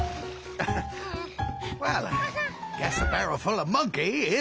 ハハッア。